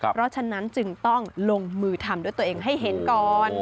เพราะฉะนั้นจึงต้องลงมือทำด้วยตัวเองให้เห็นก่อน